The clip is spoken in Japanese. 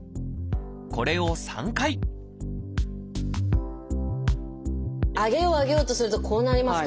これを３回上げよう上げようとするとこうなりますからね。